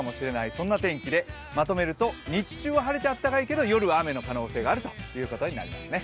そんな天気で、まとめると、日中は晴れて暖かいけど、夜は雨の可能性があるということになりますね。